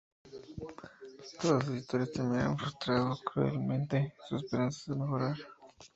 Todas sus historias terminan frustrando cruelmente sus esperanzas de mejorar.